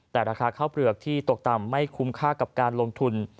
แต่ราคาข้าวเปลือกที่ตกต่ำไม่คุ้มค่ากับการลงทุน